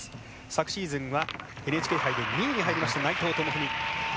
昨シーズンはＮＨＫ杯で２位に入りました、内藤智文。